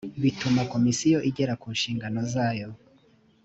bituma komisiyo igera ku nshingano zayo